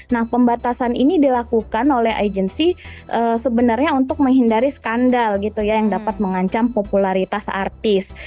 nah pembatasan ini dilakukan oleh agency sebenarnya untuk menghindari skandal gitu ya yang dapat mengancam popularitas artis